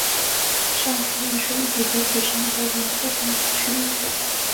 上述一水一地都是商部落活动的区域。